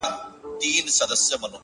د زغم ونې خوږې مېوې لري.